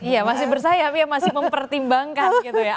iya masih bersayap ya masih mempertimbangkan gitu ya